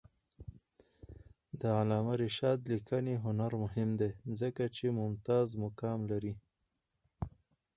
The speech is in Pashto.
د علامه رشاد لیکنی هنر مهم دی ځکه چې ممتاز مقام لري.